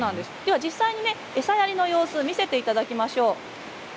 実際に餌やりの様子を見せていただきましょう。